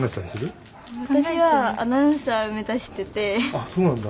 あっそうなんだ。